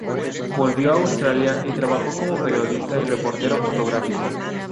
Volvió a Austria y trabajó como periodista y reportero fotográfico.